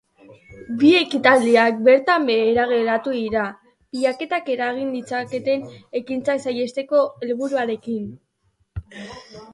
Bi ekitaldiak bertan behera geratu dira, pilaketak eragin ditzaketen ekintzak saihesteko helburuarekin.